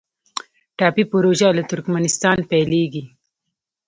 ټاپي پروژه له ترکمنستان پیلیږي